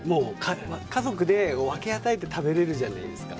家族で分け与えて食べれるじゃないですか。